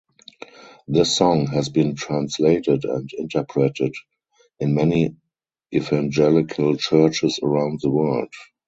This song has been translated and interpreted in many evangelical churches around the world.